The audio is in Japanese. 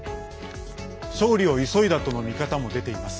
勝利を急いだとの見方も出ています。